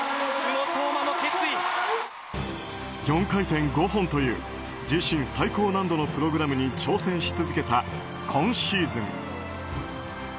４回転５本という自身最高難度のプログラムに挑戦し続けた今シーズン。